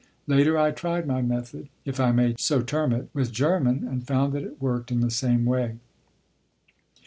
Later I tried my method, if I may so term it, with German, and found that it worked in the same way.